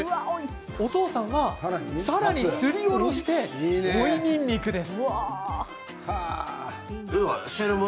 お父さんは、さらにすりおろして追いにんにくです。